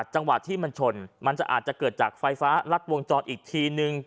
จังหวะที่มันชนมันจะอาจจะเกิดจากไฟฟ้ารัดวงจรอีกทีนึง